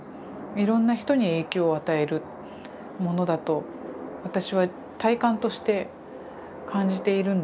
いろんな人に影響を与えるものだと私は体感として感じているんですね。